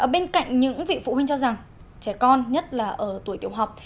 bên cạnh những vị phụ huynh cho rằng trẻ con nhất là ở tuổi tiểu học